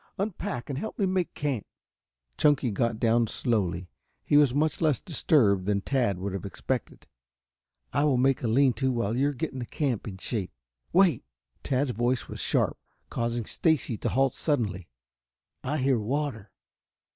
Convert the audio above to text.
Unpack and help me make camp." Chunky got down slowly. He was much less disturbed than Tad would have expected. "I will make a lean to while you are getting the camp in shape. Wait!" Tad's voice was sharp, causing Stacy to halt suddenly. "I hear water.